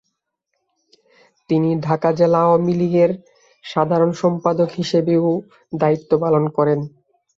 তিনি ঢাকা জেলা আওয়ামী লীগের সাধারণ সম্পাদক হিসেবেও দায়িত্ব পালন করেন।